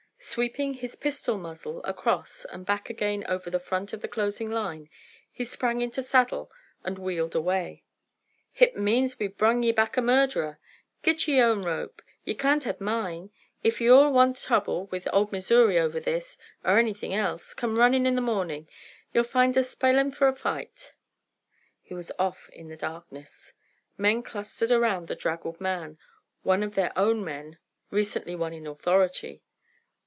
Sweeping his pistol muzzle across and back again over the front of the closing line, he sprang into saddle and wheeled away. "Hit means we've brung ye back a murderer. Git yer own rope ye kain't have mine! If ye all want trouble with Old Missoury over this, er anything else, come runnin' in the mornin'. Ye'll find us sp'ilin' fer a fight!" He was off in the darkness. Men clustered around the draggled man, one of their, own men, recently one in authority.